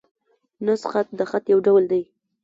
نسخ خط؛ د خط یو ډول دﺉ.